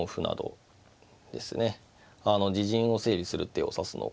自陣を整備する手を指すのか。